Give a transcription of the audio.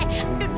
eh jangan dikit